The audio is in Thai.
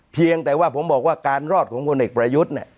เพียงแต่ว่าผมบอกว่าการรอดของพลเอกประยุทธ์